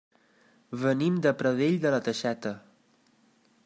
Venim de Pradell de la Teixeta.